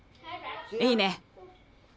いいね。